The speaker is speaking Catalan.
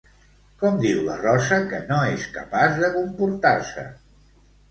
Com diu la Rosa que no és capaç de comportar-se?